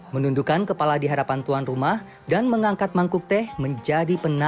menundukan kepala di hadapan tuan rumah dan mengangkat mangkuk teh menjadi penanda